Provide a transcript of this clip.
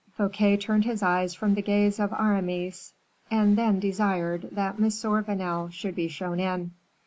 Fouquet turned his eyes from the gaze of Aramis, and then desired that M. Vanel should be shown in.